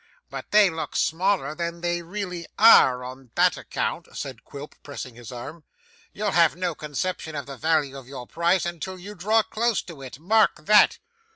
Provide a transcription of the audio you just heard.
'But they look smaller than they really are, on that account,' said Quilp, pressing his arm. 'You'll have no conception of the value of your prize until you draw close to it. Mark that.